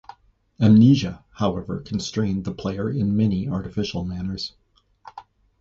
"Amnesia", however, constrained the player in many artificial manners.